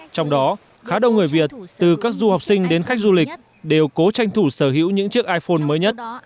trong đó khá đông người việt từ các du học sinh đến khách du lịch đều cố tranh thủ sở hữu những chiếc iphone mới nhất